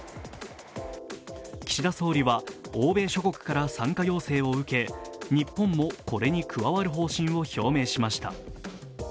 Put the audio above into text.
岸田総理は欧米諸国から参加要請を受け、日本も、これに加わる方針を表明しました。